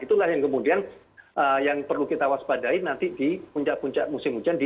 itulah yang kemudian yang perlu kita waspadai nanti di puncak puncak musim hujan